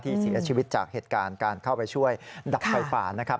เสียชีวิตจากเหตุการณ์การเข้าไปช่วยดับไฟป่านะครับ